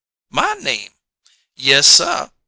"My name!" "Yessuh!"